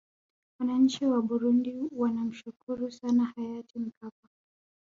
wananchi wa burundi wanamshukuru sana hayati mkapa